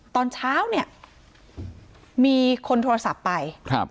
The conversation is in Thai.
ตอนเช้าเนี่ยมีคนโทรศัพท์ไป